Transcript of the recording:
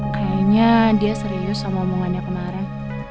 kayaknya dia serius sama omongannya kemarin